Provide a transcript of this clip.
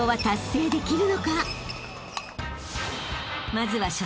［まずは］